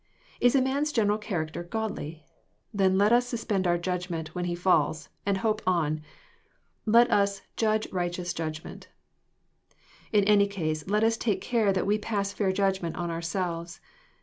Is a man's general character godly? — Then let us suspend our judg ment when he falls, and hope on. Let us ^^ judge righteous judgment." <^, In any case let us take care that we pass fair judgment on ourselves.